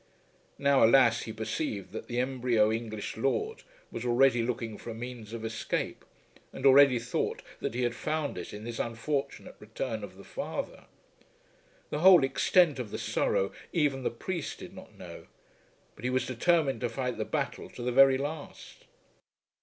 Now, alas, he perceived that the embryo English lord was already looking for a means of escape, and already thought that he had found it in this unfortunate return of the father. The whole extent of the sorrow even the priest did not know. But he was determined to fight the battle to the very last.